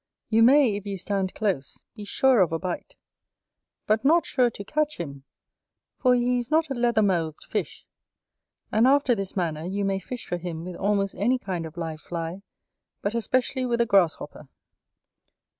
You may, if you stand close, be sure of a bite, but not sure to catch him, for he is not a leather mouthed fish. And after this manner you may fish for him with almost any kind of live fly, but especially with a grasshopper.